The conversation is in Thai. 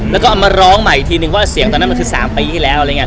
เราก็เอามาร้องใหม่อีกทีนึงเพราะว่าเสียงตอนนั้นมันคือ๓ปีที่แล้ว